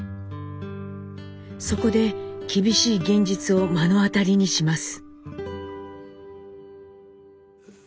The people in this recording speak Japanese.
そこで厳しい現実を目の当たりにします。